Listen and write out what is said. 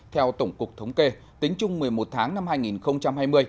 theo tổng cục thống kê tính chung một mươi một tháng năm hai nghìn hai mươi